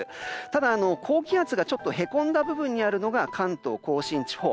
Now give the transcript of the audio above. ただ、高気圧がへこんだ部分にあるのが関東・甲信地方。